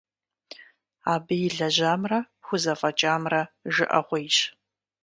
Абы илэжьамрэ, хузэфӀэкӀамрэ жыӀэгъуейщ.